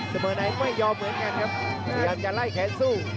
สเมอร์ไนท์ทำงานไม่ยอมเหมือนกันครับพยายามจะไล่แขนสู้